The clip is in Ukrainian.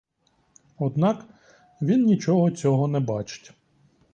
Однак він нічого цього не бачить.